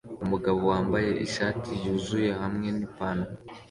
Umugabo wambaye ishati yuzuye hamwe nipantaro